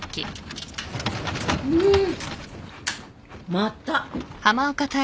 また。